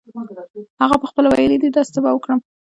هغه پخپله ویلې دي داسې څه به وکړم.